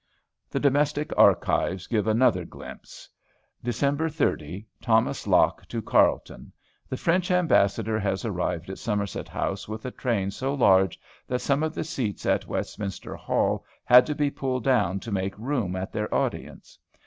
The Domestic Archives give another glimpse: Dec. 30. Thomas Locke to Carleton: "The French Ambassador has arrived at Somerset House with a train so large that some of the seats at Westminster Hall had to be pulled down to make room at their audience."